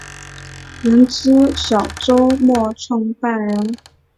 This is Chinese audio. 人资小周末创办人